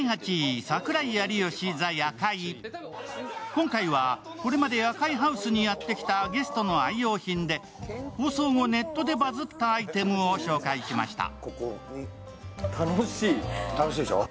今回はこれまで夜会ハウスにやってきたゲストの愛用品で放送後、ネットでバズったアイテムを紹介しました。